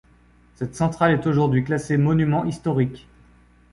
Cette centrale est aujourd'hui classée monument historique.